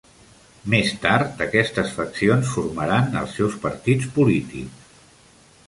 Més tard, aquestes faccions formaran els seus partits polítics.